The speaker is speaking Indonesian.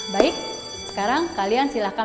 baik sekarang kalian silahkan